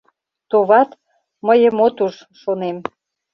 Товат, мыйым от уж, шонем.